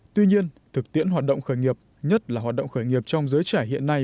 tuy nhiên thực tiễn hoạt động khởi nghiệp nhất là hoạt động khởi nghiệp trong giới trẻ hiện nay